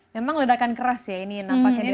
memang ledakan keras ya ini nampaknya